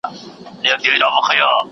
هرځل چې ونې وکرل شي، هوا پاکه کېږي.